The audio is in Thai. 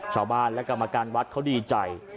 ชาวบ้านและกรรมการวัดเขาดีใจ